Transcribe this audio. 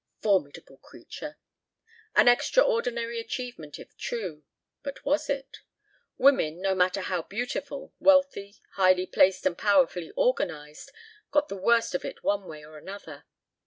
Formidable creature! An extraordinary achievement if true. But was it? Women, no matter how beautiful, wealthy, highly placed and powerfully organized, got the worst of it one way or another.